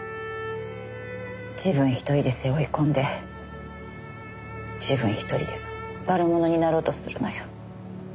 自分ひとりで背負い込んで自分ひとりで悪者になろうとするのよ。